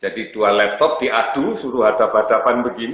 jadi dua laptop diadu suruh hadap hadapan begini